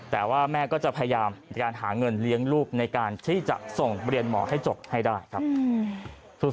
แต่ว่าแม่ก็จะพยายามในการหาเงินเลี้ยงลูกในการที่จะส่งเรียนหมอให้จบให้ได้ครับ